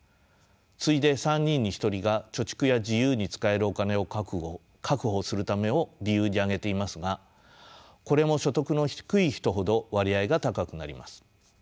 次いで３人に１人が貯蓄や自由に使えるお金を確保するためを理由に挙げていますがこれも所得の低い人ほど割合が高くなります。